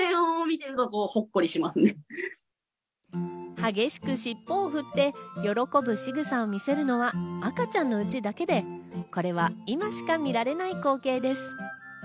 激しくしっぽを振って、喜ぶ仕草を見せるのは赤ちゃんのうちだけで、これは今しか見られない光景です。